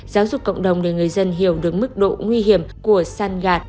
giáo dục cộng đồng để người dân hiểu được mức độ nguy hiểm của san gạt